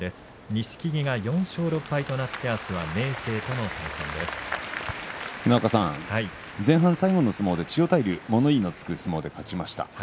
錦木が４勝６敗となって前半最後の相撲で千代大龍、物言いのつく相撲で勝ちました。